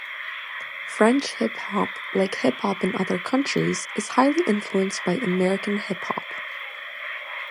French hip-hop, like hip-hop in other countries, is highly influenced by American hip-hop.